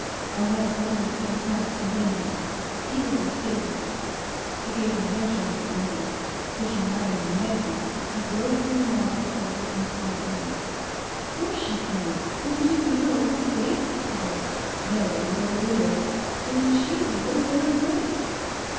I'll have a couple of store cops sent in here; see that they stay with you." He gave her no chance to argue. Pushing Latterman ahead of him, he drove through the mob of clerks outside the door. "... Course she can; didn't you see her open the safe?" he heard. "... Nobody but a Literate " "Then she's a Literate, herself!"